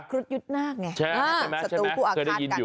คุดยุทธ์หน้าไงสัตว์คู่อาฆาตกันใช่ไหมใช่ไหมเคยได้ยินอยู่